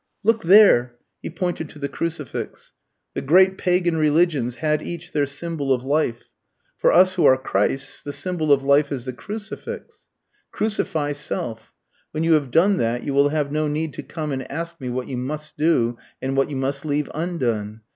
Look there!" he pointed to the crucifix. "The great Pagan religions had each their symbol of life. For us who are Christ's the symbol of life is the crucifix. Crucify self. When you have done that, you will have no need to come and ask me what you must do and what you must leave undone.